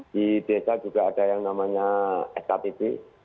di desa juga ada yang namanya sktp